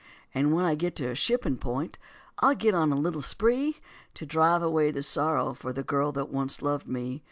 And when I get to a shipping point, I'll get on a little spree To drive away the sorrow for the girl that once loved me.